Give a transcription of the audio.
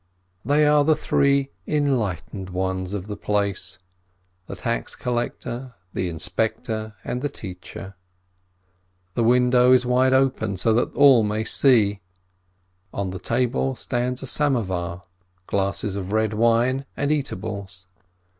They are the three "enlightened" ones of the place: the tax collector, the inspector, and the teacher. The window is wide open, so that all may see ; on the table stands a samovar, glasses of red wine, and eat ables.